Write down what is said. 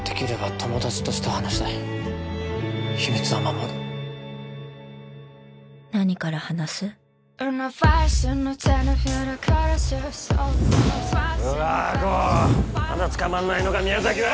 まだつかまんないのか宮崎は！